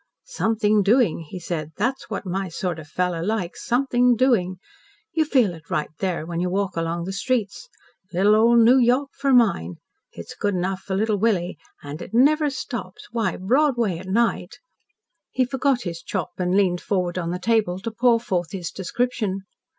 "Something doing," he said. "That's what my sort of a fellow likes something doing. You feel it right there when you walk along the streets. Little old New York for mine. It's good enough for Little Willie. And it never stops. Why, Broadway at night " He forgot his chop, and leaned forward on the table to pour forth his description.